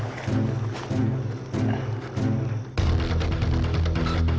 aku bakal sembuhin kamu oke